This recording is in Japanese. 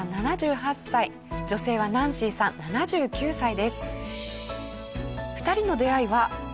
女性はナンシーさん７９歳です。